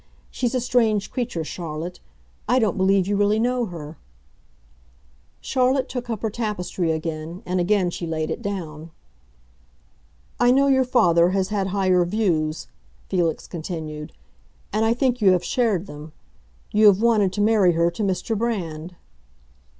She's a strange creature, Charlotte; I don't believe you really know her." Charlotte took up her tapestry again, and again she laid it down. "I know your father has had higher views," Felix continued; "and I think you have shared them. You have wanted to marry her to Mr. Brand."